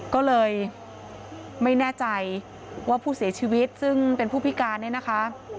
ก็เลยไม่แน่ใจว่าผู้เสียชีวิตซึ่งเป็นผู้พิการเนี่ยนะคะ